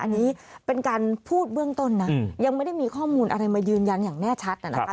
อันนี้เป็นการพูดเบื้องต้นนะยังไม่ได้มีข้อมูลอะไรมายืนยันอย่างแน่ชัดนะคะ